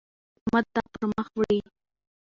حکومت دا پرمخ وړي.